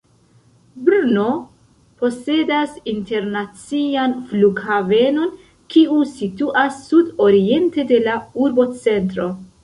Brno posedas internacian flughavenon, kiu situas sud-oriente de la urbocentro.